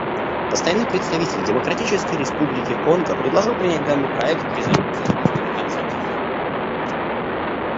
Постоянный представитель Демократической Республики Конго предложил принять данный проект резолюции на основе консенсуса.